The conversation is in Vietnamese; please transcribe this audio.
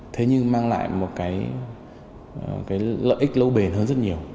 thế nhưng mang lại một cái lợi ích lâu bền hơn rất nhiều